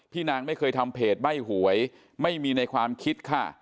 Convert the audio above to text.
นางไม่เคยทำเพจใบ้หวยไม่มีในความคิดค่ะ